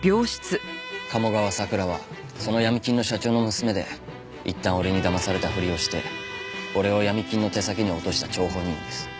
鴨川咲良はその闇金の社長の娘でいったん俺にだまされたふりをして俺を闇金の手先に落とした張本人です。